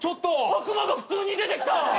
悪魔が普通に出てきた。